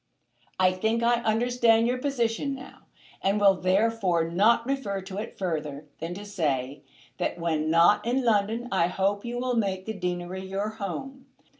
"I think I understand your position now, and will therefore not refer to it further than to say, that when not in London I hope you will make the deanery your home.